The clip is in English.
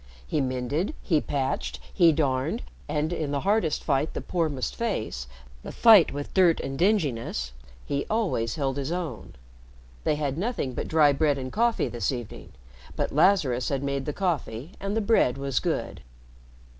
He mended, he patched, he darned, and in the hardest fight the poor must face the fight with dirt and dinginess he always held his own. They had nothing but dry bread and coffee this evening, but Lazarus had made the coffee and the bread was good.